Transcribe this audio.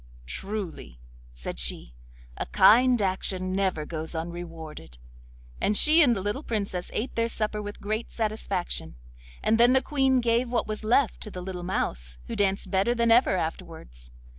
'Truly,' said she, 'a kind action never goes unrewarded; 'and she and the little Princess ate their supper with great satisfaction, and then the Queen gave what was left to the little mouse, who danced better than ever afterwards.